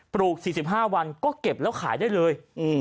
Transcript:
ลูก๔๕วันก็เก็บแล้วขายได้เลย